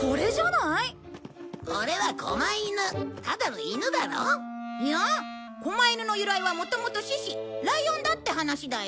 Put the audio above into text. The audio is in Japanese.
いや狛犬の由来はもともと獅子ライオンだって話だよ。